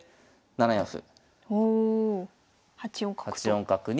８四角と。